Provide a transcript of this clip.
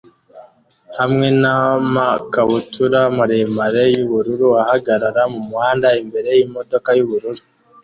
hamwe namakabutura maremare yubururu ahagarara mumuhanda imbere yimodoka yubururu